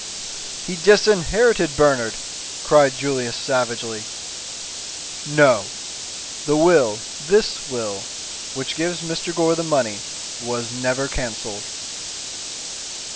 "He disinherited Bernard!" cried Julius savagely. "No! the will this will which gives Mr. Gore the money was never cancelled."